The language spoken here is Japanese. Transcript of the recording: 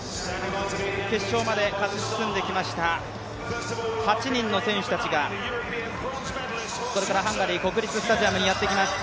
決勝まで勝ち進んできました８人の選手たちがこれからハンガリー国立スタジアムにやってきます。